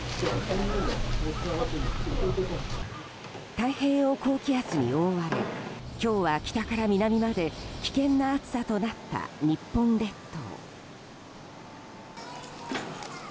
太平洋高気圧に覆われ今日は北から南まで危険な暑さとなった日本列島。